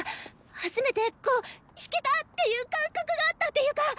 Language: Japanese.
初めてこう「弾けた！」っていう感覚があったっていうか。